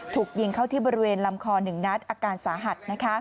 ถูกยิงเข้าที่บริเวณลำคอ๑นัดอาการสาหัส